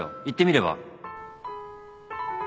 行ってみれば？